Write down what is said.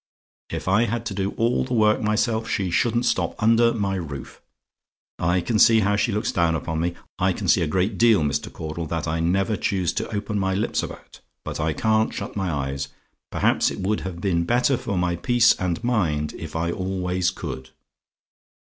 If I had to do all the work myself, she shouldn't stop under my roof. I can see how she looks down upon me. I can see a great deal, Mr. Caudle, that I never choose to open my lips about but I can't shut my eyes. Perhaps it would have been better for my peace and mind if I always could.